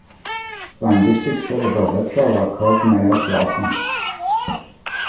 Sein wichtigster Übersetzer war Curt Meyer-Clason.